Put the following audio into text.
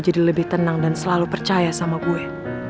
jadi lebih tenang dan selalu percaya sama gue